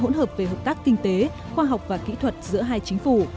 hỗn hợp về hợp tác kinh tế khoa học và kỹ thuật giữa hai chính phủ